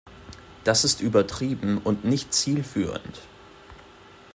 Das ist übertrieben und nicht zielführend.